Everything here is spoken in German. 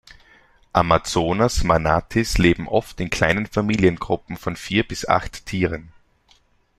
Amazonas-Manatis leben oft in kleinen Familiengruppen von vier bis acht Tieren.